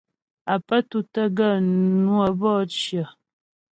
Á pə́ tútə́ gaə́ ŋwə́ bɔ'ɔ cyə.